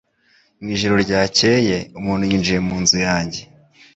Mu ijoro ryakeye, umuntu yinjiye mu nzu yanjye.